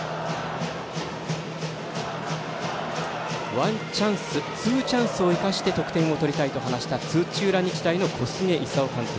ワンチャンス、ツーチャンスを生かして得点を取りたいと話した土浦日大の小菅勲監督。